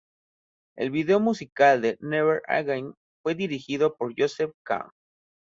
El video musical de "Never again" fue dirigido por Joseph Kahn.